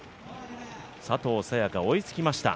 佐藤早也伽、追いつきました。